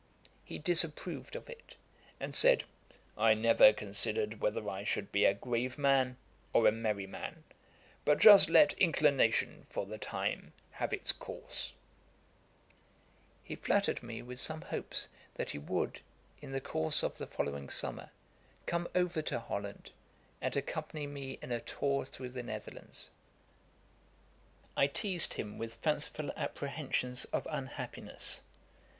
He disapproved of it; and said, 'I never considered whether I should be a grave man, or a merry man, but just let inclination, for the time, have its course.' He flattered me with some hopes that he would, in the course of the following summer, come over to Holland, and accompany me in a tour through the Netherlands. I teized him with fanciful apprehensions of unhappiness.